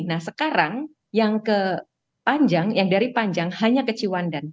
nah sekarang yang ke panjang yang dari panjang hanya ke ciwandan